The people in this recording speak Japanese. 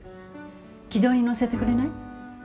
軌道に乗せてくれない？